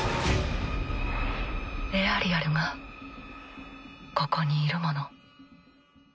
エアリアルがここにいるもの。